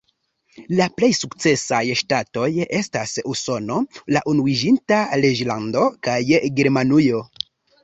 La plej sukcesaj ŝtatoj estas Usono, la Unuiĝinta Reĝlando kaj Germanujo.